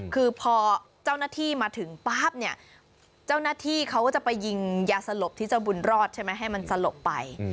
คือพอเจ้าหน้าที่มาถึงปั๊บเนี่ยเจ้าหน้าที่เขาก็จะไปยิงยาสลบที่เจ้าบุญรอดใช่ไหมให้มันสลบไป